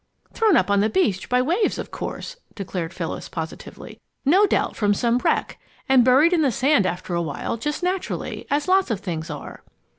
"Thrown up on the beach by the waves, of course," declared Phyllis, positively; "no doubt from some wreck, and buried in the sand after a while, just naturally, as lots of things are."